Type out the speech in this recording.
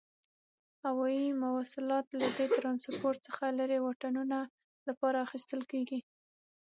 هوایي مواصلات له دې ترانسپورت څخه لري واټنونو لپاره کار اخیستل کیږي.